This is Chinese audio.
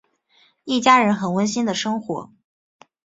一家人很温馨的生活。